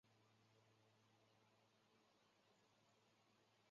奥白泷号志站石北本线上的号志站。